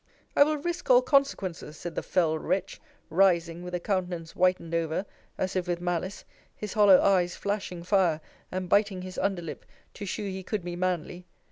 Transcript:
I will risque all consequences, said the fell wretch, rising, with a countenance whitened over, as if with malice, his hollow eyes flashing fire, and biting his under lip, to shew he could be manly.